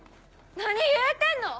何言うてんの！